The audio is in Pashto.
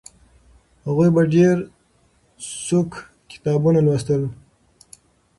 هغوی په ډېر سوق کتابونه لوستل.